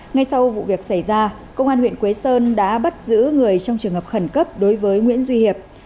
ngay sau vụ việc xảy ra công an huyện quế sơn đã bắt giữ người trong trường hợp khẩn cấp đối với nguyễn duy hiệp